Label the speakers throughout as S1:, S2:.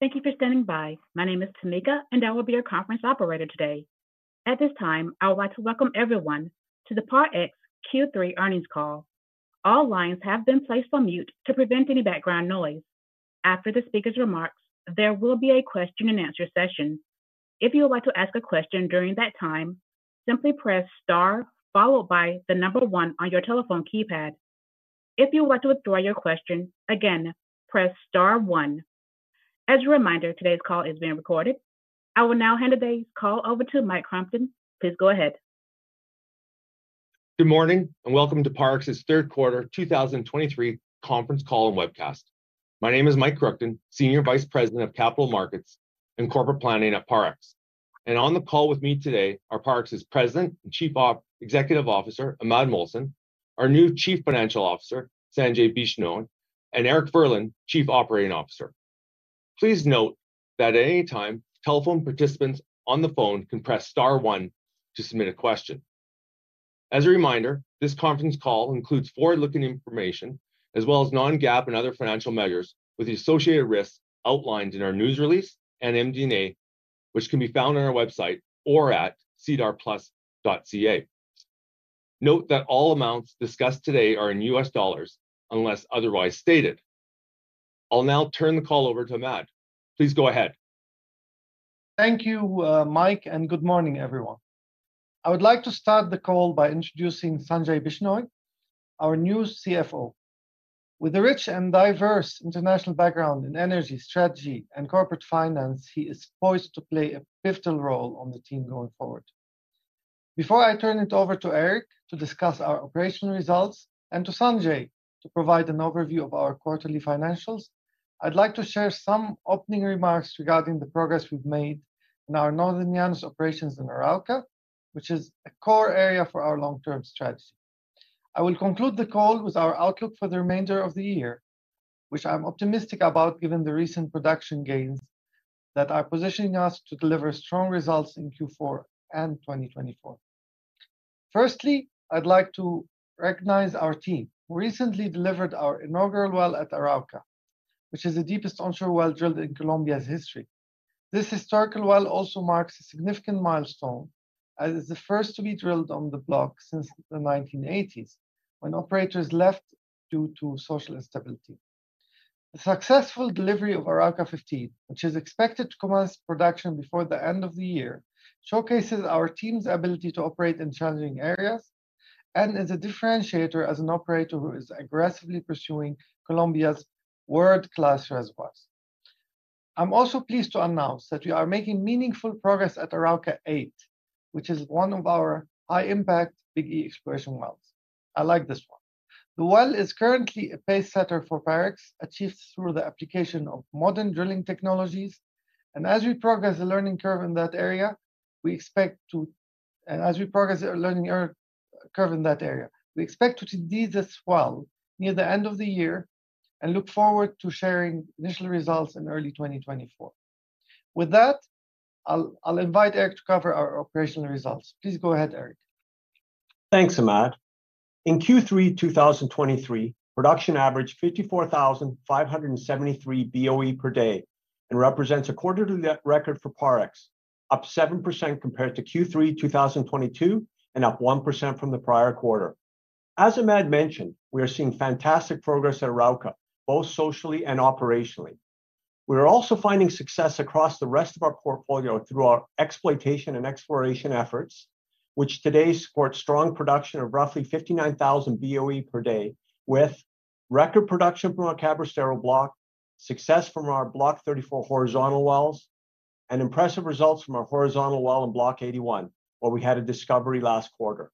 S1: Thank you for standing by. My name is Tamika, and I will be your conference operator today. At this time, I would like to welcome everyone to the Parex Q3 earnings call. All lines have been placed on mute to prevent any background noise. After the speaker's remarks, there will be a question and answer session. If you would like to ask a question during that time, simply press star followed by the number one on your telephone keypad. If you would like to withdraw your question, again, press star one. As a reminder, today's call is being recorded. I will now hand today's call over to Mike Kruchten. Please go ahead.
S2: Good morning, and welcome to Parex's third quarter 2023 conference call and webcast. My name is Mike Kruchten, Senior Vice President of Capital Markets and Corporate Planning at Parex. On the call with me today are Parex's President and Chief Executive Officer, Imad Mohsen; our new Chief Financial Officer, Sanjay Bishnoi; and Eric Furlan, Chief Operating Officer. Please note that at any time, telephone participants on the phone can press star one to submit a question. As a reminder, this conference call includes forward-looking information, as well as non-GAAP and other financial measures, with the associated risks outlined in our news release and MD&A, which can be found on our website or at sedarplus.ca. Note that all amounts discussed today are in U.S. dollars, unless otherwise stated. I'll now turn the call over to Imad. Please go ahead.
S3: Thank you, Mike, and good morning, everyone. I would like to start the call by introducing Sanjay Bishnoi, our new CFO. With a rich and diverse international background in energy, strategy, and corporate finance, he is poised to play a pivotal role on the team going forward. Before I turn it over to Eric to discuss our operational results and to Sanjay to provide an overview of our quarterly financials, I'd like to share some opening remarks regarding the progress we've made in our Northern Llanos operations in Arauca, which is a core area for our long-term strategy. I will conclude the call with our outlook for the remainder of the year, which I'm optimistic about, given the recent production gains that are positioning us to deliver strong results in Q4 and 2024. Firstly, I'd like to recognize our team, who recently delivered our inaugural well at Arauca, which is the deepest onshore well drilled in Colombia's history. This historical well also marks a significant milestone, as it's the first to be drilled on the block since the 1980s, when operators left due to social instability. The successful delivery of Arauca-15, which is expected to commence production before the end of the year, showcases our team's ability to operate in challenging areas and is a differentiator as an operator who is aggressively pursuing Colombia's world-class reservoirs. I'm also pleased to announce that we are making meaningful progress at Arauca-8, which is one of our high-impact Big E exploration wells. I like this one. The well is currently a pace setter for Parex, achieved through the application of modern drilling technologies, and as we progress the learning curve in that area, we expect to drill this well near the end of the year and look forward to sharing initial results in early 2024. With that, I'll invite Eric to cover our operational results. Please go ahead, Eric.
S4: Thanks, Imad. In Q3 2023, production averaged 54,573 BOE per day and represents a quarterly net record for Parex, up 7% compared to Q3 2022 and up 1% from the prior quarter. As Imad mentioned, we are seeing fantastic progress at Arauca, both socially and operationally. We are also finding success across the rest of our portfolio through our exploitation and exploration efforts, which today support strong production of roughly 59,000 BOE per day, with record production from our Cabrestero Block, success from our Block 34 horizontal wells, and impressive results from our horizontal well in Block 81, where we had a discovery last quarter.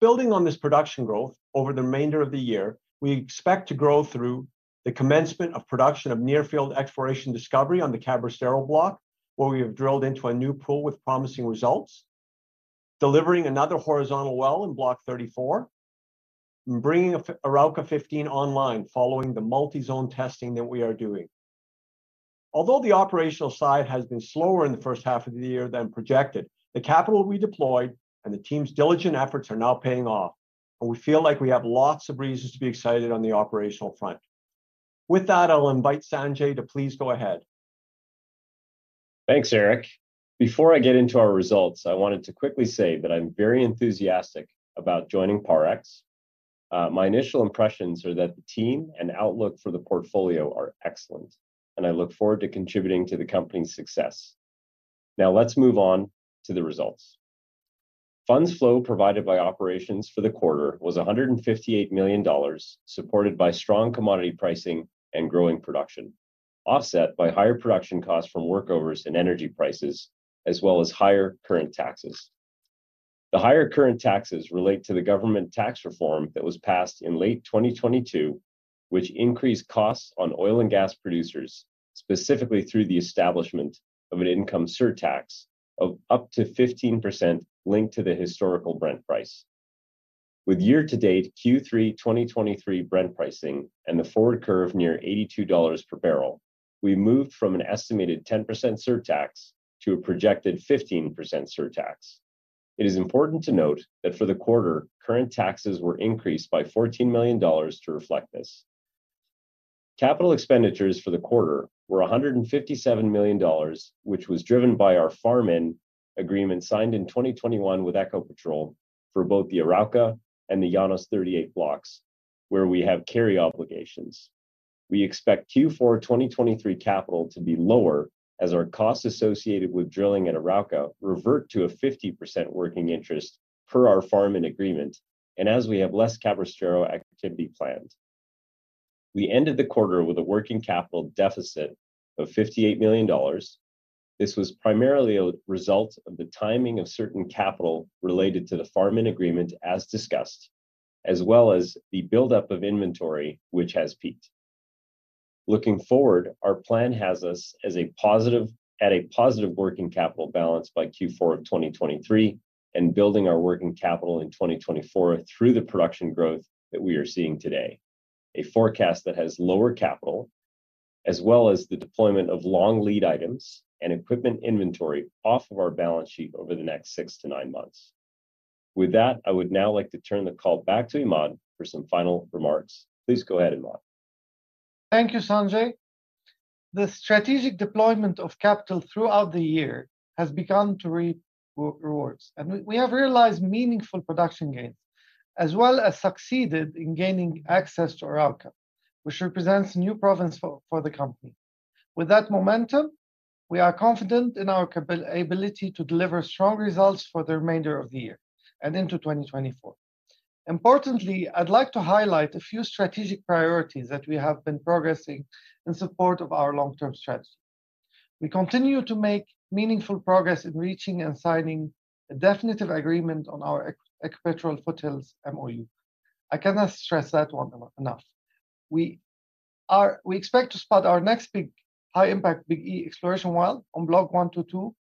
S4: Building on this production growth over the remainder of the year, we expect to grow through the commencement of production of near-field exploration discovery on the Cabrestero Block, where we have drilled into a new pool with promising results. Delivering another horizontal well in Block 34. And bringing Arauca-15 online, following the multi-zone testing that we are doing. Although the operational side has been slower in the first half of the year than projected, the capital we deployed and the team's diligent efforts are now paying off, and we feel like we have lots of reasons to be excited on the operational front. With that, I'll invite Sanjay to please go ahead.
S5: Thanks, Eric. Before I get into our results, I wanted to quickly say that I'm very enthusiastic about joining Parex. My initial impressions are that the team and outlook for the portfolio are excellent, and I look forward to contributing to the company's success. Now, let's move on to the results. Funds flow provided by operations for the quarter was $158 million, supported by strong commodity pricing and growing production, offset by higher production costs from workovers and energy prices, as well as higher current taxes. The higher current taxes relate to the government tax reform that was passed in late 2022, which increased costs on oil and gas producers, specifically through the establishment of an income surtax of up to 15% linked to the historical Brent price. With year-to-date Q3 2023 Brent pricing and the forward curve near $82 per barrel, we moved from an estimated 10% surtax to a projected 15% surtax. It is important to note that for the quarter, current taxes were increased by $14 million to reflect this. Capital expenditures for the quarter were $157 million, which was driven by our farm-in agreement, signed in 2021 with Ecopetrol for both the Arauca and the Llanos 38 blocks, where we have carry obligations. We expect Q4 2023 capital to be lower, as our costs associated with drilling at Arauca revert to a 50% working interest per our farm-in agreement, and as we have less Cabrestero activity planned. We ended the quarter with a working capital deficit of $58 million. This was primarily a result of the timing of certain capital related to the farm-in agreement, as discussed, as well as the buildup of inventory, which has peaked. Looking forward, our plan has us as a positive at a positive working capital balance by Q4 of 2023, and building our working capital in 2024 through the production growth that we are seeing today. A forecast that has lower capital, as well as the deployment of long lead items and equipment inventory off of our balance sheet over the next 6-9 months. With that, I would now like to turn the call back to Imad for some final remarks. Please go ahead, Imad.
S3: Thank you, Sanjay. The strategic deployment of capital throughout the year has begun to reap rewards, and we have realized meaningful production gains, as well as succeeded in gaining access to Arauca, which represents new province for the company. With that momentum, we are confident in our capability to deliver strong results for the remainder of the year and into 2024. Importantly, I'd like to highlight a few strategic priorities that we have been progressing in support of our long-term strategy. We continue to make meaningful progress in reaching and signing a definitive agreement on our Ecopetrol Foothills MOU. I cannot stress that one enough. We expect to spud our next big, high impact, Big E exploration well on Block 122,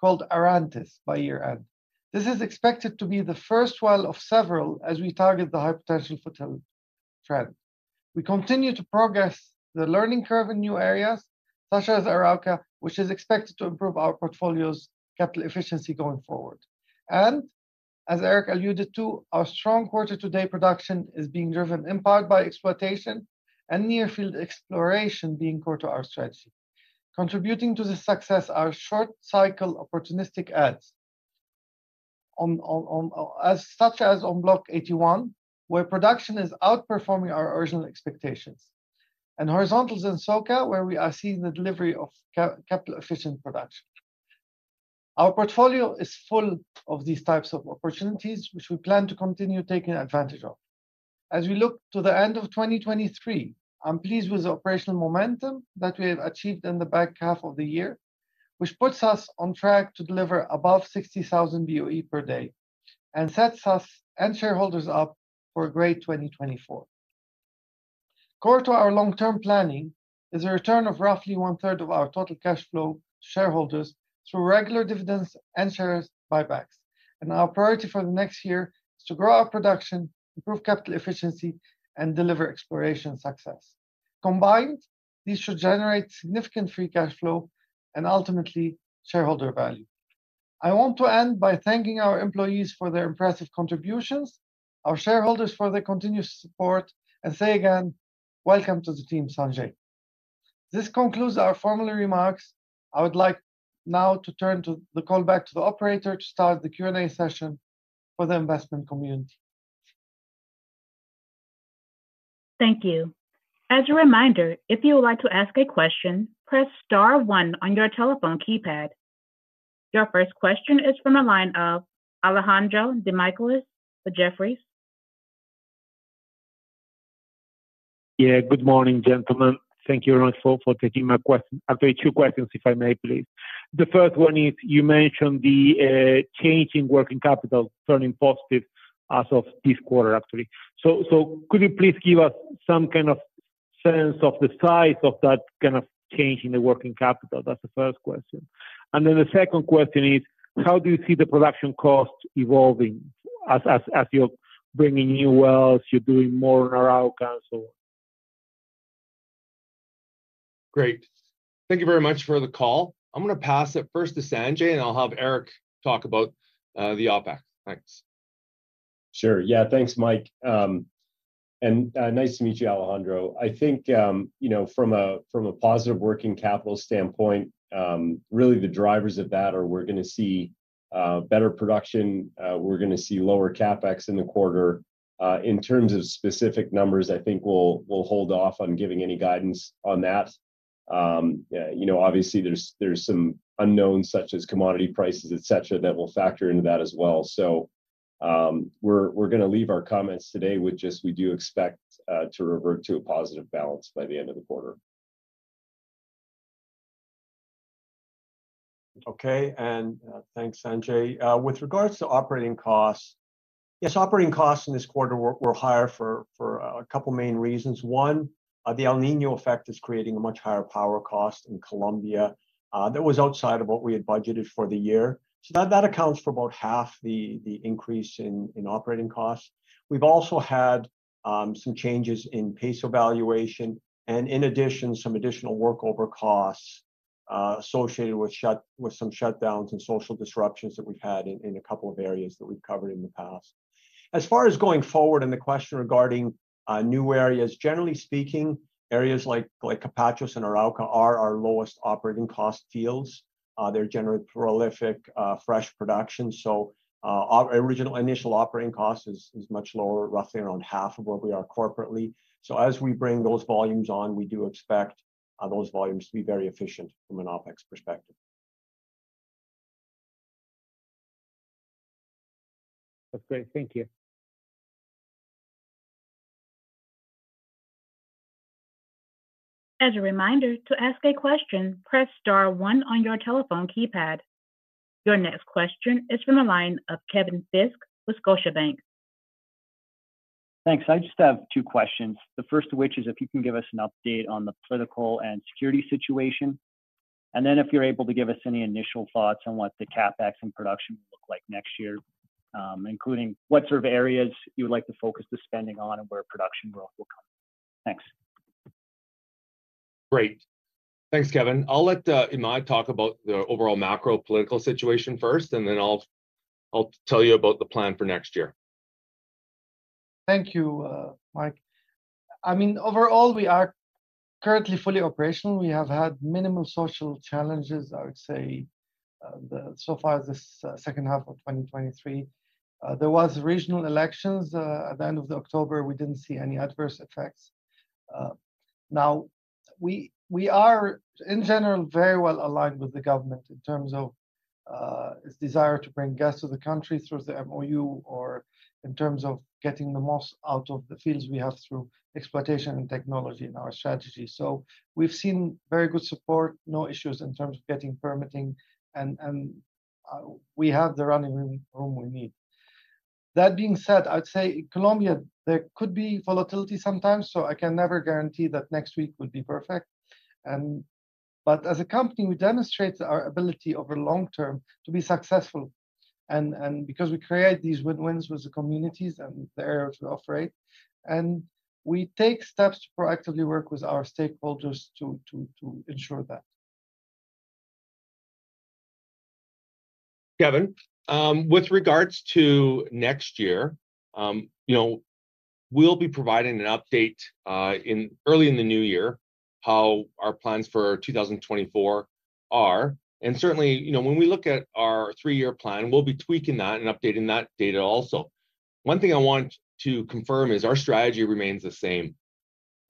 S3: called Arantes, by year-end. This is expected to be the first well of several, as we target the high potential Foothills trend. We continue to progress the learning curve in new areas, such as Arauca, which is expected to improve our portfolio's capital efficiency going forward. As Eric alluded to, our strong quarter-to-date production is being driven in part by exploitation and near field exploration being core to our strategy. Contributing to this success are short cycle opportunistic add-ons such as on Block 81, where production is outperforming our original expectations. And horizontals in Soria, where we are seeing the delivery of capital efficient production. Our portfolio is full of these types of opportunities, which we plan to continue taking advantage of. As we look to the end of 2023, I'm pleased with the operational momentum that we have achieved in the back half of the year, which puts us on track to deliver above 60,000 BOE per day, and sets us and shareholders up for a great 2024. Core to our long-term planning is a return of roughly one-third of our total cash flow to shareholders through regular dividends and shares buybacks. Our priority for the next year is to grow our production, improve capital efficiency, and deliver exploration success. Combined, these should generate significant free cash flow and ultimately shareholder value. I want to end by thanking our employees for their impressive contributions, our shareholders for their continuous support, and say again, welcome to the team, Sanjay. This concludes our formal remarks. I would like now to turn the call back to the operator to start the Q&A session for the investment community.
S1: Thank you. As a reminder, if you would like to ask a question, press star one on your telephone keypad. Your first question is from the line of Alejandro Demichelis with Jefferies.
S6: Yeah. Good morning, gentlemen. Thank you very much for taking my question. Actually, two questions, if I may please. The first one is, you mentioned the change in working capital turning positive as of this quarter, actually. So, could you please give us some kind of sense of the size of that kind of change in the working capital? That's the first question. And then the second question is, how do you see the production cost evolving as you're bringing new wells, you're doing more in Arauca, and so on?
S2: Great. Thank you very much for the call. I'm gonna pass it first to Sanjay, and I'll have Eric talk about the OpEx. Thanks.
S5: Sure, yeah. Thanks, Mike. And, nice to meet you, Alejandro. I think, you know, from a positive working capital standpoint, really the drivers of that are we're gonna see better production, we're gonna see lower CapEx in the quarter. In terms of specific numbers, I think we'll hold off on giving any guidance on that. Yeah, you know, obviously, there's some unknowns, such as commodity prices, et cetera, that will factor into that as well. So, we're gonna leave our comments today with just we do expect to revert to a positive balance by the end of the quarter.
S4: Okay, and thanks, Sanjay. With regards to operating costs, yes, operating costs in this quarter were higher for a couple main reasons. One, the El Niño effect is creating a much higher power cost in Colombia that was outside of what we had budgeted for the year. So that accounts for about half the increase in operating costs. We've also had some changes in pace evaluation, and in addition, some additional workover costs associated with some shutdowns and social disruptions that we've had in a couple of areas that we've covered in the past. As far as going forward, and the question regarding new areas, generally speaking, areas like Capachos and Arauca are our lowest operating cost fields. They generate prolific, fresh production. Our original initial operating cost is much lower, roughly around half of what we are corporately. So as we bring those volumes on, we do expect those volumes to be very efficient from an OpEx perspective.
S6: That's great. Thank you.
S1: As a reminder, to ask a question, press star one on your telephone keypad. Your next question is from the line of Kevin Fisk with Scotiabank.
S7: Thanks. I just have two questions. The first of which is if you can give us an update on the political and security situation, and then if you're able to give us any initial thoughts on what the CapEx and production will look like next year, including what sort of areas you would like to focus the spending on and where production growth will come? Thanks.
S2: Great. Thanks, Kevin. I'll let Imad talk about the overall macro political situation first, and then I'll tell you about the plan for next year.
S3: Thank you, Mike. I mean, overall, we are currently fully operational. We have had minimal social challenges, I would say, so far this second half of 2023. There was regional elections at the end of October, we didn't see any adverse effects. Now, we are, in general, very well aligned with the government in terms of its desire to bring gas to the country through the MOU, or in terms of getting the most out of the fields we have through exploitation and technology in our strategy. So we've seen very good support, no issues in terms of getting permitting, and we have the running room we need. That being said, I'd say Colombia, there could be volatility sometimes, so I can never guarantee that next week would be perfect. But as a company, we demonstrate our ability over long term to be successful, and because we create these win-wins with the communities and the areas we operate, and we take steps to proactively work with our stakeholders to ensure that.
S2: Kevin, with regards to next year, you know, we'll be providing an update in early in the new year, how our plans for 2024 are. And certainly, you know, when we look at our three-year plan, we'll be tweaking that and updating that data also. One thing I want to confirm is our strategy remains the same.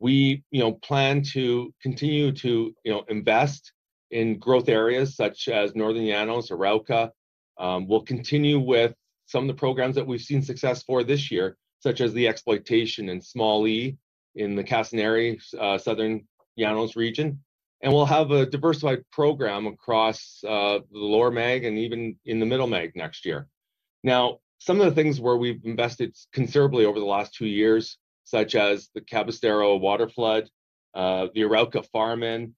S2: We, you know, plan to continue to, you know, invest in growth areas such as Northern Llanos, Arauca. We'll continue with some of the programs that we've seen success for this year, such as the exploitation in Small E, in the Casanare, Southern Llanos region. And we'll have a diversified program across the Lower Mag and even in the Middle Mag next year. Now, some of the things where we've invested considerably over the last two years, such as the Cabrestero waterflood, the Arauca farm-in,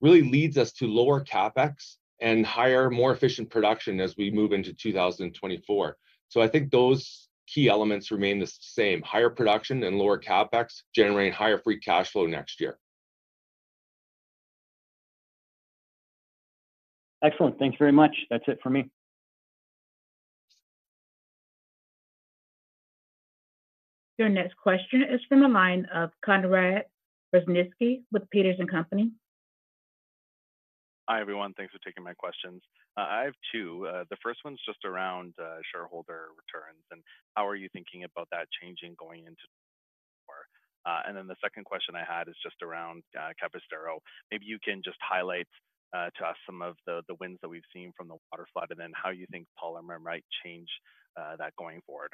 S2: really leads us to lower CapEx and higher, more efficient production as we move into 2024. So I think those key elements remain the same, higher production and lower CapEx, generating higher free cash flow next year.
S7: Excellent. Thank you very much. That's it for me.
S1: Your next question is from the line of Conrad Bereznicki with Peters & Co.
S8: Hi, everyone. Thanks for taking my questions. I have two. The first one's just around, shareholder returns, and how are you thinking about that changing going into... And then the second question I had is just around, Cabrestero. Maybe you can just highlight, to us some of the, the wins that we've seen from the waterflood, and then how you think polymer might change, that going forward.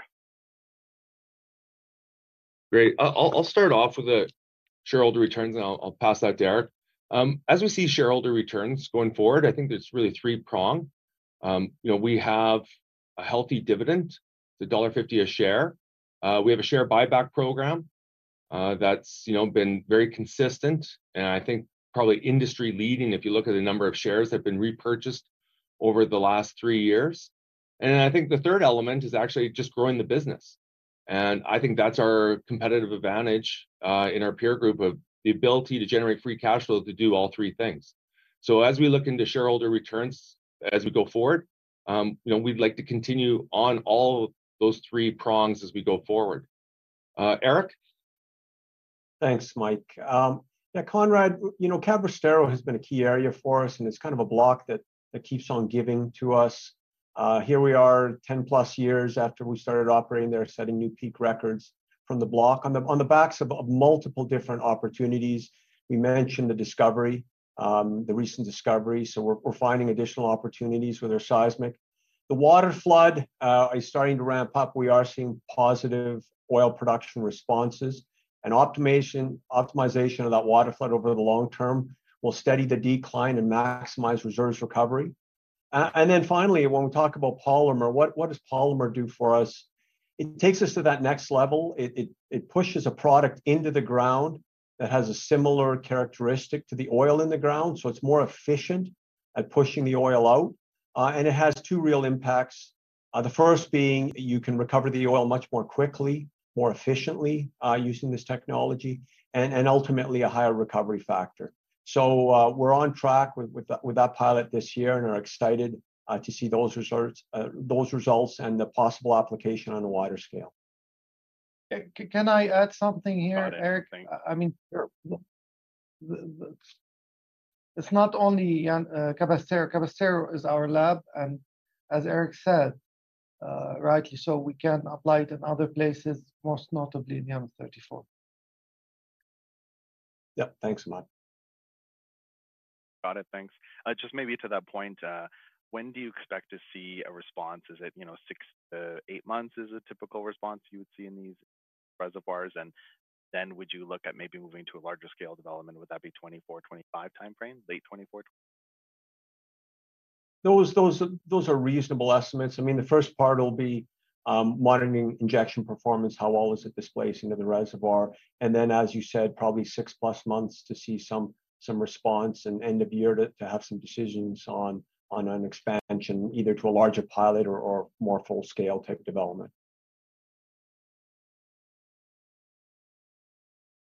S2: Great. I'll start off with the shareholder returns, and I'll pass that to Eric. As we see shareholder returns going forward, I think it's really three-pronged. You know, we have a healthy dividend, it's $1.50 a share. We have a share buyback program, that's, you know, been very consistent, and I think probably industry-leading, if you look at the number of shares that have been repurchased over the last three years. And I think the third element is actually just growing the business, and I think that's our competitive advantage, in our peer group, of the ability to generate free cash flow to do all three things. So as we look into shareholder returns as we go forward, you know, we'd like to continue on all those three prongs as we go forward. Eric?
S4: Thanks, Mike. Yeah, Conrad, you know, Cabrestero has been a key area for us, and it's kind of a block that keeps on giving to us. Here we are, 10+ years after we started operating there, setting new peak records from the block on the backs of multiple different opportunities. We mentioned the discovery, the recent discovery, so we're finding additional opportunities with our seismic. The waterflood is starting to ramp up. We are seeing positive oil production responses, and optimization of that waterflood over the long term will steady the decline and maximize reserves recovery. And then finally, when we talk about polymer, what does polymer do for us? It takes us to that next level. It pushes a product into the ground that has a similar characteristic to the oil in the ground, so it's more efficient at pushing the oil out, and it has two real impacts. The first being you can recover the oil much more quickly, more efficiently, using this technology, and ultimately, a higher recovery factor. So, we're on track with that pilot this year and are excited to see those results, those results and the possible application on a wider scale.
S3: Can I add something here, Eric?
S4: Sure, thing.
S3: I mean, it's not only Cabrestero. Cabrestero is our lab, and as Eric said, rightly so, we can apply it in other places, most notably in Llanos 34.
S4: Yep, thanks a lot.
S5: Got it, thanks. Just maybe to that point, when do you expect to see a response? Is it, you know, 6-8 months is a typical response you would see in these reservoirs? And then would you look at maybe moving to a larger scale development, would that be 2024, 2025 timeframe, late 2024, 2025?
S4: Those are reasonable estimates. I mean, the first part will be monitoring injection performance, how well is it displacing into the reservoir. And then, as you said, probably 6+ months to see some response, and end of year to have some decisions on an expansion, either to a larger pilot or more full-scale type development.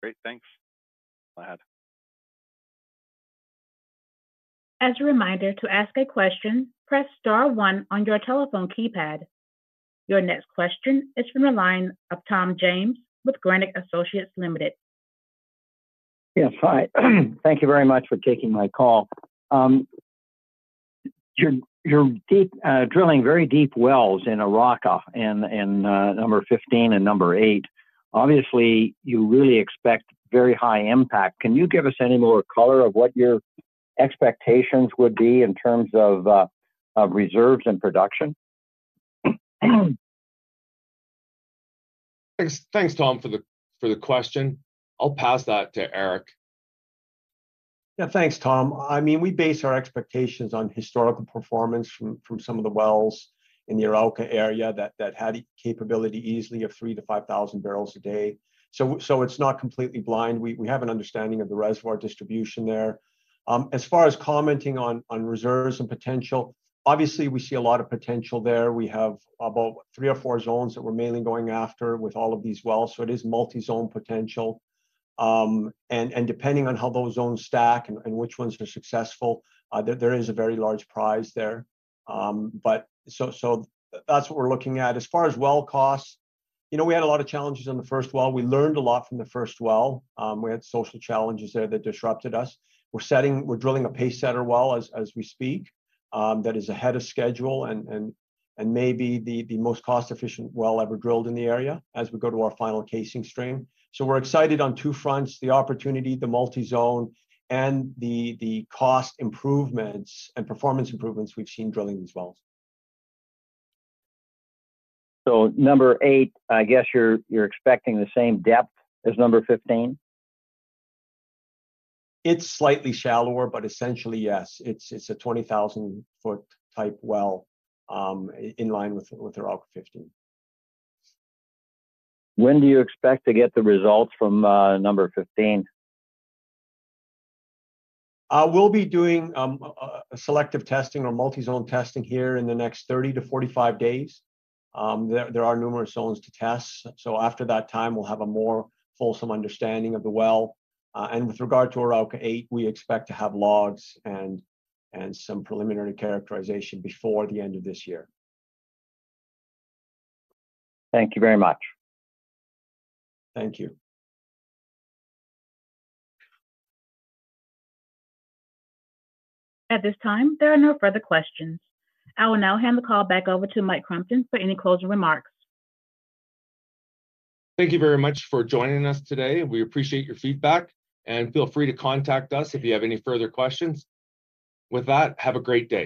S8: Great, thanks. Glad.
S1: As a reminder, to ask a question, press star one on your telephone keypad. Your next question is from the line of Tom James with Granite Associates Limited.
S9: Yes, hi. Thank you very much for taking my call. You're deep drilling very deep wells in Arauca and Arauca-15 and Arauca-8. Obviously, you really expect very high impact. Can you give us any more color of what your expectations would be in terms of reserves and production?
S2: Thanks, thanks, Tom, for the, for the question. I'll pass that to Eric.
S4: Yeah, thanks, Tom. I mean, we base our expectations on historical performance from some of the wells in the Arauca area that had capability easily of 3,000-5,000 barrels a day. So it's not completely blind. We have an understanding of the reservoir distribution there. As far as commenting on reserves and potential, obviously, we see a lot of potential there. We have about 3 or 4 zones that we're mainly going after with all of these wells, so it is multi-zone potential. And depending on how those zones stack and which ones are successful, there is a very large prize there. But so that's what we're looking at. As far as well costs, you know, we had a lot of challenges on the first well. We learned a lot from the first well. We had social challenges there that disrupted us. We're drilling a pace setter well as we speak, that is ahead of schedule and maybe the most cost-efficient well ever drilled in the area as we go to our final casing stream. So we're excited on two fronts: the opportunity, the multi-zone, and the cost improvements and performance improvements we've seen drilling these wells.
S9: Number 8, I guess you're, you're expecting the same depth as Arauca-5?
S4: It's slightly shallower, but essentially, yes, it's a 20,000-foot type well, in line with Arauca-15.
S9: When do you expect to get the results from Arauca-15?
S4: We'll be doing a selective testing or multi-zone testing here in the next 30-45 days. There are numerous zones to test, so after that time, we'll have a more fulsome understanding of the well. And with regard to Arauca-8, we expect to have logs and some preliminary characterization before the end of this year.
S9: Thank you very much.
S4: Thank you.
S1: At this time, there are no further questions. I will now hand the call back over to Mike Kruchten for any closing remarks.
S2: Thank you very much for joining us today. We appreciate your feedback, and feel free to contact us if you have any further questions. With that, have a great day.